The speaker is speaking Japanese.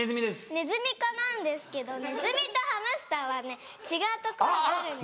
ネズミ科なんですけどネズミとハムスターはね違うところがあるんです。